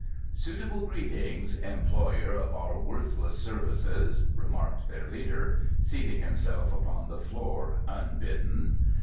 "Suitable greetings, employer of our worthless services," remarked their leader, seating himself upon the floor unbidden.